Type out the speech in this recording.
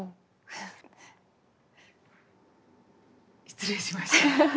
失礼しました。